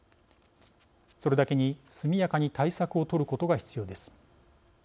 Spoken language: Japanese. それだけに速やかに対策を取ることが必要です。